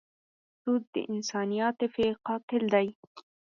سود د انساني عاطفې قاتل دی.